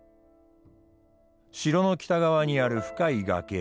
城の北側にある深い崖。